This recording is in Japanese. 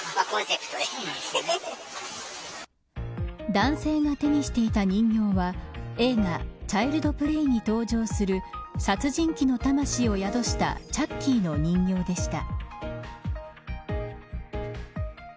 男性が手にしていた人形は映画チャイルド・プレイに登場する殺人鬼の魂を宿したチャッキーの人形でした。